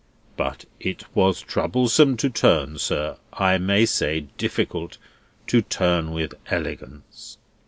But it was troublesome to turn, sir; I may say, difficult to turn with elegance."